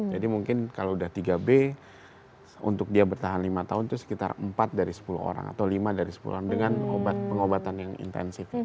jadi mungkin kalau sudah tiga b untuk dia bertahan lima tahun itu sekitar empat dari sepuluh orang atau lima dari sepuluh orang dengan obat pengobatan yang intensif